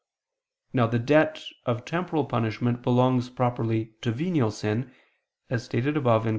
Now the debt of temporal punishment belongs properly to venial sin, as stated above (Q.